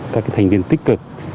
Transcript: các thành viên tích cực